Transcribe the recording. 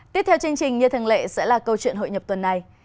tiếp theo chương trình như thường lệ sẽ là câu chuyện hội nhập tuần này